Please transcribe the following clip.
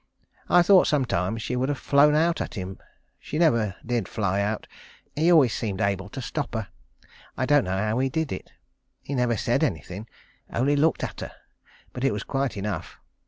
I thought sometimes she would have flown out at him. She never did fly out. He always seemed able to stop her. I don't know how he did it. He never said anything; only looked at her; but it was quite enough.